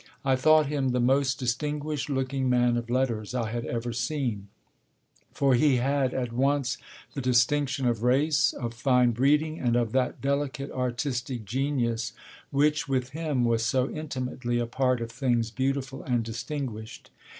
I thought him the most distinguished looking man of letters I had ever seen; for he had at once the distinction of race, of fine breeding, and of that delicate artistic genius which, with him, was so intimately a part of things beautiful and distinguished.